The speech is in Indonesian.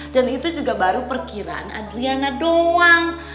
dan itu juga baru perkiraan adriana doang